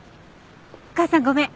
母さんごめん。